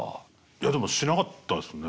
いやでもしなかったですね。